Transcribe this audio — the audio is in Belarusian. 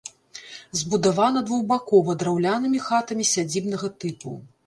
Забудавана двухбакова драўлянымі хатамі сядзібнага тыпу.